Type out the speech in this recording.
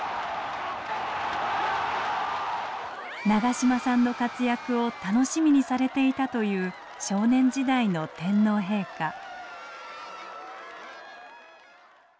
長嶋さんの活躍を楽しみにされていたという少年時代の天皇陛下。